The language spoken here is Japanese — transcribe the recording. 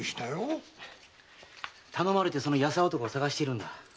頼まれてその優男を捜しているんだ。